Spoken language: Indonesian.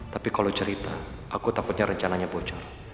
tapi kalau cerita aku takutnya rencananya bocor